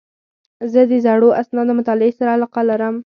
زه د زړو اسنادو مطالعې سره علاقه لرم.